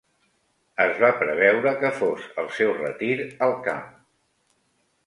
Es va preveure que fos el seu retir al camp.